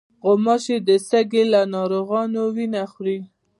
غوماشې د سږي له ناروغانو وینه خوري.